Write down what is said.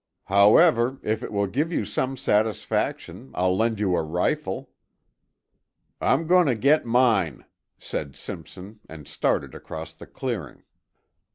However, if it will give you some satisfaction, I'll lend you a rifle." "I'm going to get mine," said Simpson and started across the clearing.